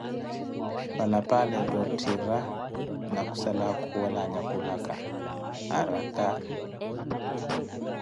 Palapaala eetta otthira na khusala akhuwela anyakulaka, araka.